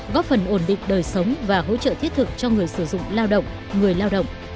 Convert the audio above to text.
góp phần ổn định đời sống và hỗ trợ thiết thực cho người sử dụng lao động người lao động